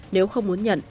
nếu không muốn nhận